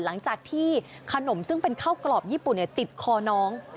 หลังจากที่ขนมซึ่งเป็นข้าวกรอบญี่ปุ่นติดคอน้อง